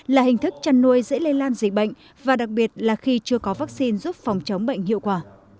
là hình thức chăn nuôi dễ lây lan dịch bệnh và đặc biệt là khi chưa có vaccine giúp phòng chống bệnh hiệu quả